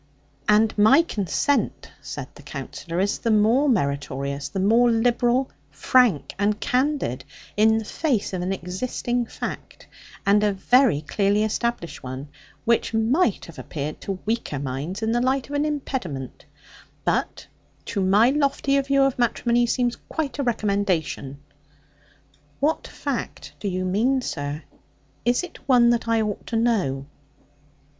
'And my consent,' said the Counsellor, 'is the more meritorious, the more liberal, frank, and candid, in the face of an existing fact, and a very clearly established one; which might have appeared to weaker minds in the light of an impediment; but to my loftier view of matrimony seems quite a recommendation.' 'What fact do you mean, sir? Is it one that I ought to know?'